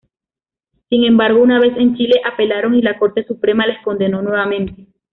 Sin embargo, una vez en Chile apelaron y la corte suprema les condenó nuevamente.